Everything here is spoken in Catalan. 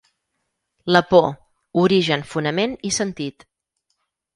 La por: origen, fonament i sentit.